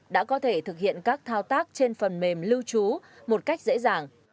đã có thể thực hiện các thao tác trên phần mềm lưu trú một cách dễ dàng